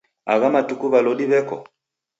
Agha matuku w'alodi w'eko?